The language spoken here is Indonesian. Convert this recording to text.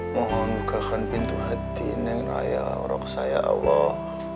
mohon bukakan pintu hati neng raya orang saya allah